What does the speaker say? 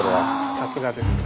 さすがですね